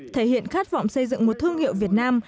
thể hiện khát vọng xây dựng một thương hiệu việt nam